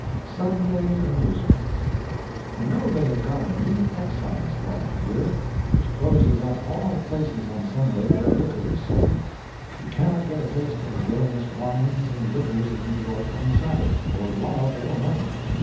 SUNDAY AMUSEMENTS You know they have got a new Excise law here, which closes up all places on Sunday where liquor is sold. You cannot get a taste of the villainous wines and liquors of New York on the Sabbath, for love or money.